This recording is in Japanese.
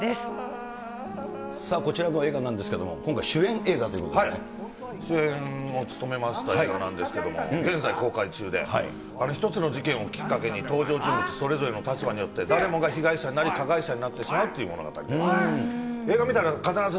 こちらの映画なんですけど、はい、主演を務めました映画なんですけれども、現在公開中で、１つの事件をきっかけに、登場人物それぞれの立場によって、誰もが被害者になり加害者になってしまうという物語なんです。